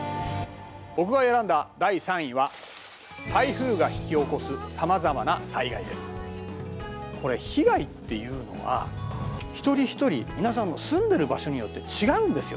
僕が選んだ第３位はこれ被害っていうのは一人一人皆さんの住んでる場所によって違うんですよ